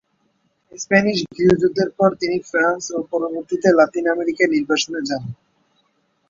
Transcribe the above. Spanish গৃহযুদ্ধের পর তিনি ফ্রান্স ও পরবর্তীতে লাতিন আমেরিকায় নির্বাসনে যান।